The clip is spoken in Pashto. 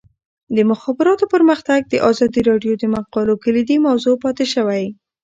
د مخابراتو پرمختګ د ازادي راډیو د مقالو کلیدي موضوع پاتې شوی.